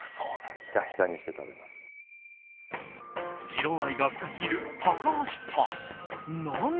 二郎愛が深すぎる高橋さん。